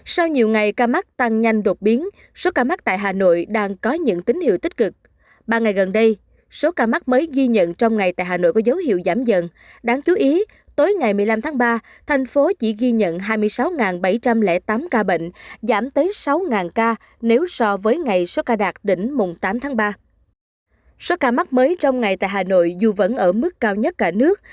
số ca mắc mới trong ngày tại hà nội dù vẫn ở mức cao nhất cả nước